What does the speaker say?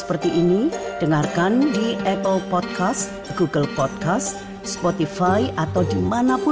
oke terima kasih api